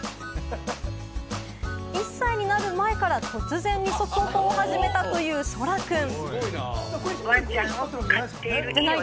１歳になる前から突然、二足歩行を始めたという空くん。